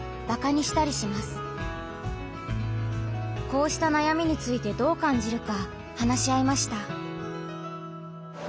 こうした悩みについてどう感じるか話し合いました。